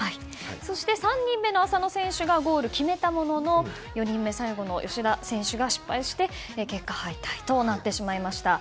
そして、３人目の浅野選手がゴールを決めたものの４人目最後の吉田選手が失敗して結果敗退となってしまいました。